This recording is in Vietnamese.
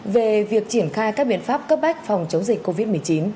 về việc triển khai các biện pháp cấp bách phòng chống dịch covid một mươi chín